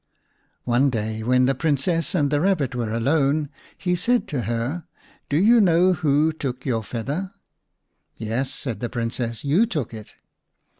One day when the Princess and the Kabbit were alone he said to her, " Do you know who took your feather ?"" Yes," said the Princess, " you took it."